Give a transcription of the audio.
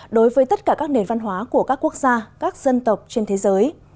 đối với tất cả các nền văn hóa của các quốc gia các dân tộc trên thế giới